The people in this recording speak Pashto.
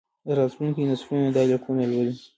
راتلونکي نسلونه دا لیکونه لولي.